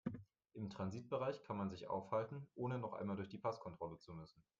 Im Transitbereich kann man sich aufhalten, ohne noch einmal durch die Passkontrolle zu müssen.